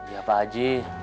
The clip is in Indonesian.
ya pak aji